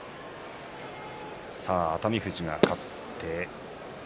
さあ熱海富士が勝って